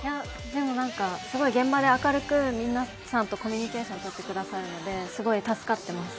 でもなんか、すごい現場で明るく皆さんとコミュニケーションとってくださるのですごい助かってます。